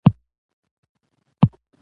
نه په سیند نه په ویالو کي به بهیږي